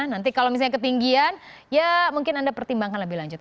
nanti kalau misalnya ketinggian ya mungkin anda pertimbangkan lebih lanjut